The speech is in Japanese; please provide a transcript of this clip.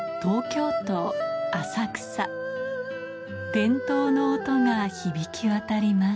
伝統の音が響きわたります